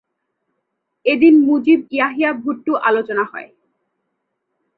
এদিন মুজিব-ইয়াহিয়া-ভুট্টো আলোচনা হয়।